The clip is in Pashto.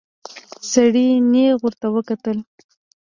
سړي نيغ ورته وکتل.